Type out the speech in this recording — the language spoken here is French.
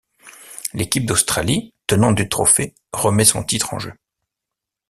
L'équipe d'Australie, tenante du trophée, remet son titre en jeu.